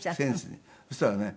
そしたらね